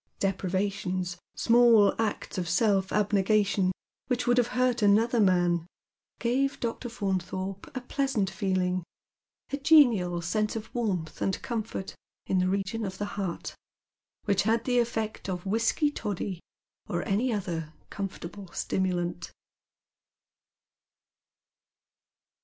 Deprivations, small acta of self abnegation which would have hurt another man, gave Dr. Faimthorpe a pleasant feeling, a genial sense of warmth and comfort in the region of the heart, which had the effect of whisky toddy or any other comfortable stimulant.